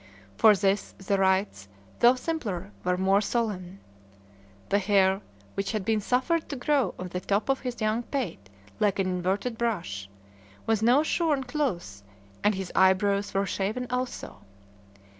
For this the rites, though simpler, were more solemn. The hair, which had been suffered to grow on the top of his young pate like an inverted brush, was now shorn close, and his eyebrows were shaven also.